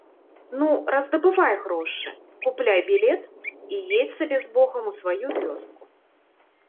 Ну, раздабывай грошы, купляй білет і едзь сабе з богам у сваю вёску.